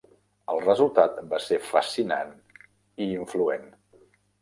El resultat va ser fascinant i influent.